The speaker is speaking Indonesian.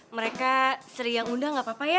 mereka sering yang undang gak apa apa ya